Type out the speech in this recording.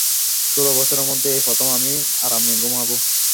ষোল বছরের মধ্যে এই প্রথম আমি আরামে ঘুমাবো।